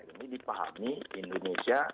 ini dipahami indonesia